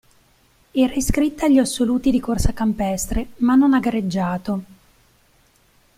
Era iscritta agli assoluti di corsa campestre, ma non ha gareggiato.